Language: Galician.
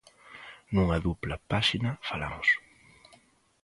Nunha dupla páxina falamos.